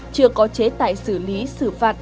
chưa có chế tải xử lý xử phạt